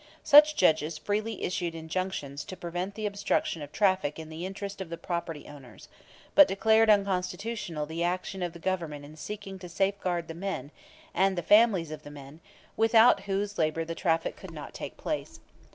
Such judges freely issued injunctions to prevent the obstruction of traffic in the interest of the property owners, but declared unconstitutional the action of the Government in seeking to safeguard the men, and the families of the men, without whose labor the traffic could not take place.